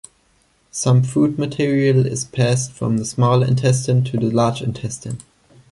Some food material is passed from the small intestine to the large intestine.